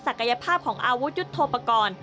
ศักยภาพของอาวุธยุทธโทปกร